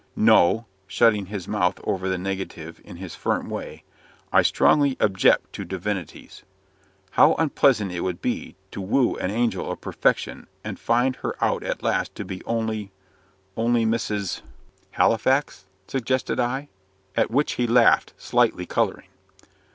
"No;" shutting his mouth over the negative in his firm way "I strongly object to divinities. How unpleasant it would be to woo an angel of perfection, and find her out at last to be only only Mrs. " "Halifax," suggested I; at which he laughed, slightly colouring.